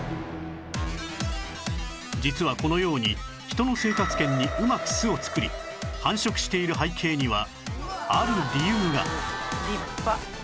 実はこのように人の生活圏にうまく巣を作り繁殖している背景にはある理由が